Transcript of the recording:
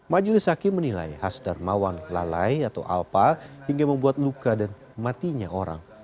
majelis hakim menilai hasdarmawan lalai atau alpa hingga membuat luka dan matinya orang